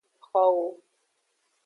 Xowo.